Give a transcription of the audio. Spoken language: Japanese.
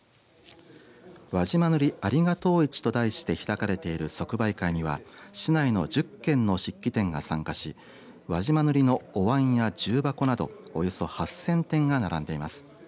輪島塗ありがとう市と題して開かれている即売会には市内の１０軒の漆器店が参加し輪島塗のおわんや重箱などおよそ８０００点が並んでいます。